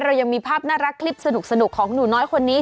เรายังมีภาพน่ารักคลิปสนุกของหนูน้อยคนนี้